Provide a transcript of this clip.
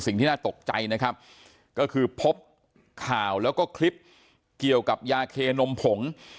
สิ่งที่น่าตกใจนะครับก็คือพบข่าวแล้วก็คลิปเกี่ยวกับยาเคนมผง